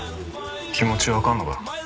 気持ちわかるのか？